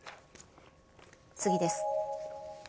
次です。